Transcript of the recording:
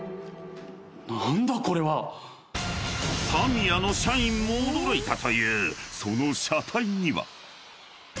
［タミヤの社員も驚いたというその車体には］